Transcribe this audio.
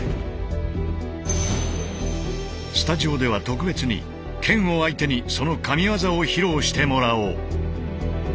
スタジオでは特別に剣を相手にその神技を披露してもらおう。